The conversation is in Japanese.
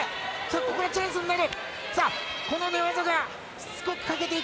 ここはチャンスになる。